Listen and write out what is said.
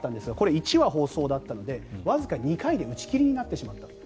１話放送だったのでわずか２回で打ち切りになってしまったと。